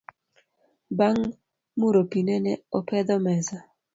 Bang muro pii nene opedho mesa